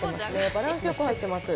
バランスよく入っています。